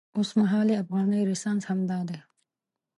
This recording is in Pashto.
اوسمهالی افغاني رنسانس همدا دی.